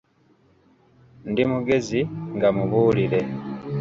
"Ndi mugezi, nga mubuulire."